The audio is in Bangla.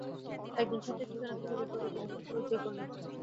একজন ছাত্রীর ঠিকানা খুঁজে বের করবার জন্যে খুব হৈচৈ করলেন।